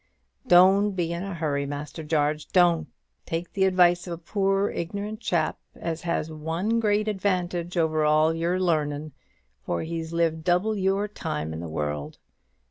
Doan't be in a hurry, Master Jarge; doan't! Take the advice of a poor ignorant chap as has one great advantage over all your learnin', for he's lived double your time in the world.